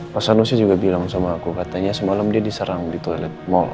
pasanmu si juga bilang sama aku katanya semalam dia diserang di toilet mall sama orang